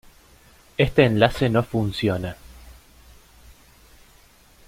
Este enlace no funciona.